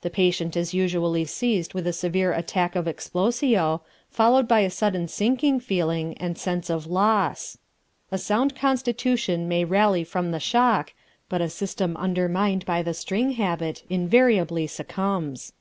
The patient is usually seized with a severe attack of explosio, followed by a sudden sinking feeling and sense of loss. A sound constitution may rally from the shock, but a system undermined by the string habit invariably succumbs.